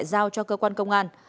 giao cho cơ quan công an